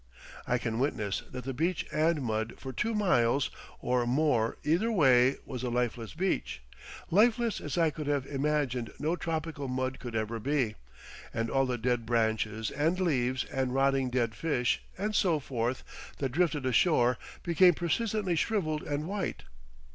I can witness that the beach and mud for two miles or more either way was a lifeless beach—lifeless as I could have imagined no tropical mud could ever be, and all the dead branches and leaves and rotting dead fish and so forth that drifted ashore became presently shrivelled and white.